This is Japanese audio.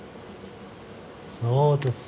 そうです。